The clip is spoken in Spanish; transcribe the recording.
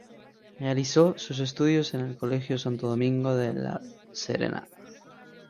Realizó sus estudios en el Colegio Santo Domingo de La Serena.